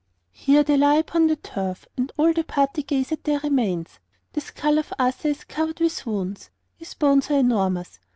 Here they lie upon the turf, and all the party gaze on their remains. The skull of Arthur is covered with wounds; his bones are enormous.